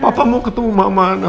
papa mau ketemu mama